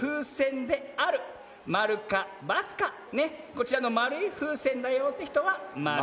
こちらのまるいふうせんだよってひとは○。